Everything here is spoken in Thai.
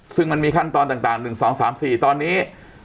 ซึ่งมันมีขั้นตอนต่าง๑๒๓๔ตอนนี้